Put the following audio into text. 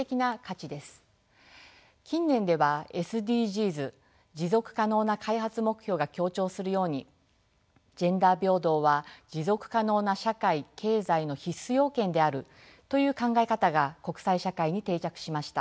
近年ではＳＤＧｓ持続可能な開発目標が強調するようにジェンダー平等は持続可能な社会経済の必須要件であるという考え方が国際社会に定着しました。